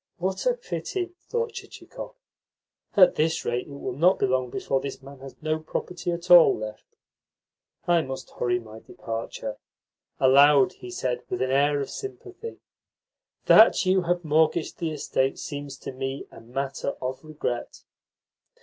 "What a pity!" thought Chichikov. "At this rate it will not be long before this man has no property at all left. I must hurry my departure." Aloud he said with an air of sympathy: "That you have mortgaged the estate seems to me a matter of regret."